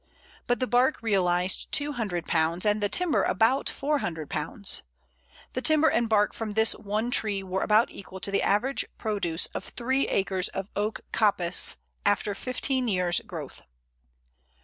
But the bark realized £200, and the timber about £400. The timber and bark from this one tree were about equal to the average produce of three acres of oak coppice after fifteen years growth.